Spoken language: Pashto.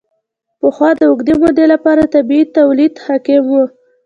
پخوا د اوږدې مودې لپاره طبیعي تولید حاکم و.